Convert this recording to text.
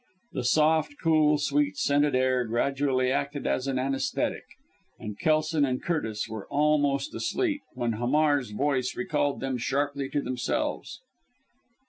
The soft, cool, sweet scented air gradually acted as an anæsthetic, and Kelson and Curtis were almost asleep, when Hamar's voice recalled them sharply to themselves.